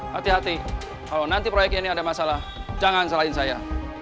hati hati kalau nanti proyek ini ada masalah jangan salahin saya